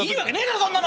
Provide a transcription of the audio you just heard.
そんなの。